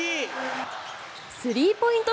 スリーポイント